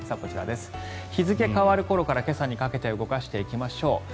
日付変わる頃から今朝にかけて動かしていきましょう。